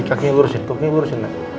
kaki lurusin koki lurusin kak